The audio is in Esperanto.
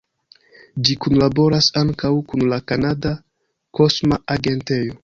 Ĝi kunlaboras ankaŭ kun la Kanada Kosma Agentejo.